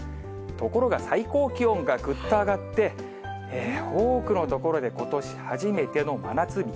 ところが最高気温がぐっと上がって、多くの所でことし初めての真夏日に。